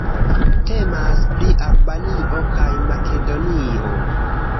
Temas pri Albanio kaj Makedonio.